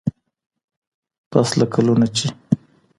پسله كلونو چي